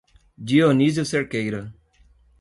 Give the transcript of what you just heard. Dionísio Cerqueira